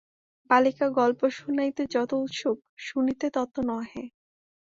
বালিকা গল্প শুনাইতে যত উৎসুক, শুনিতে তত নহে।